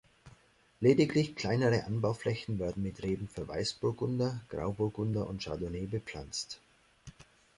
Lediglich kleinere Anbauflächen werden mit Reben für Weißburgunder, Grauburgunder und Chardonnay bepflanzt.